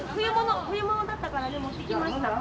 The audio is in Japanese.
冬物だったからね持ってきました。